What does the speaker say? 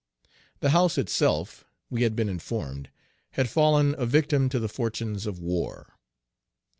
The house itself, we had been informed, had fallen a victim to the fortunes of war.